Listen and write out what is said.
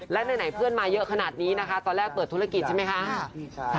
และไหนเพื่อนมาเยอะขนาดนี้นะคะตอนแรกเปิดธุรกิจใช่ไหมคะ